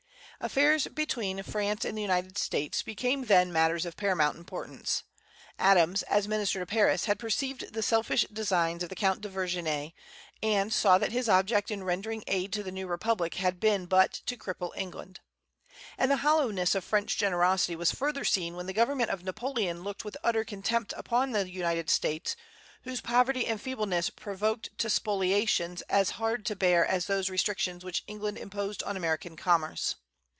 Affairs between France and the United States became then matters of paramount importance. Adams, as minister to Paris, had perceived the selfish designs of the Count de Vergennes, and saw that his object in rendering aid to the new republic had been but to cripple England. And the hollowness of French generosity was further seen when the government of Napoleon looked with utter contempt on the United States, whose poverty and feebleness provoked to spoliations as hard to bear as those restrictions which England imposed on American commerce.